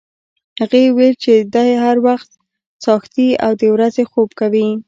هغې ویل چې دی هر وخت څاښتي او د ورځې خوب کوي.